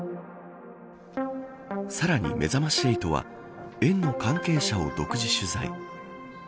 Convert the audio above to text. さらに、めざまし８は園の関係者を独自取材。